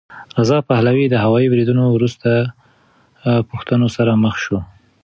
رضا پهلوي د هوايي بریدونو وروسته پوښتنو سره مخ شو.